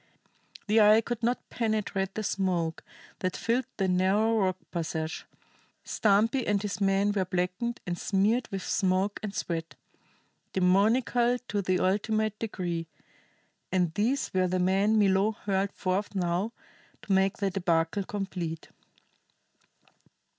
The eye could not penetrate the smoke that filled the narrow rock passage; Stumpy and his men were blackened and smeared with smoke and sweat, demoniacal to the ultimate degree; and these were the men Milo hurled forth now to make the débâcle complete.